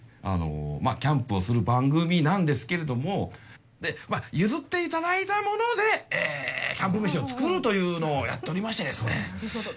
キャンプをする番組なんですけれども譲っていただいたものでキャンプ飯を作るというのをやっておりましてですね。